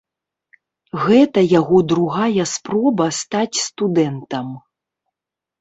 Гэта яго другая спроба стаць студэнтам.